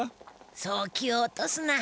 そう気を落とすな。